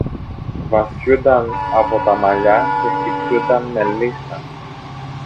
βαστιούνταν από τα μαλλιά και χτυπιούνταν με λύσσα.